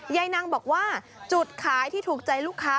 นางบอกว่าจุดขายที่ถูกใจลูกค้า